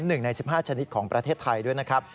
หนึ่งใน๑๕ชนิดของประเทศไทยด้วยนะครับ